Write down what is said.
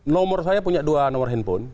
nomor saya punya dua nomor handphone